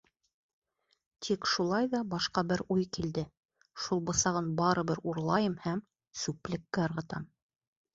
Тик шулай ҙа башҡа бер уй килде: шул бысағын барыбер урлайым һәм... сүплеккә ырғытам.